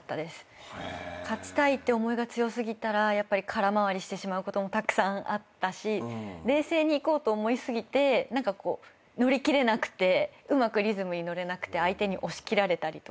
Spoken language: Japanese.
勝ちたいって思いが強過ぎたら空回りしてしまうこともたくさんあったし冷静にいこうと思い過ぎて乗り切れなくてうまくリズムに乗れなくて相手に押し切られたりとか。